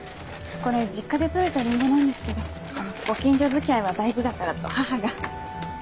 これ実家で取れたリンゴなんですけどご近所付き合いは大事だからと母が。